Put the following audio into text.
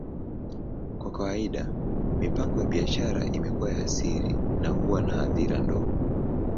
Kwa kawaida, mipango ya biashara imekuwa ya siri na huwa na hadhira ndogo.